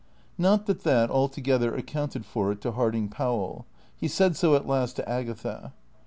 Not that that altogether accounted for it to Harding Powell. He said so at last to Agatha.